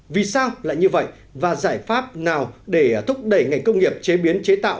vì sao lại như vậy và giải pháp nào để thúc đẩy ngành công nghiệp chế biến chế tạo